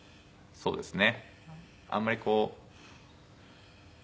そうですね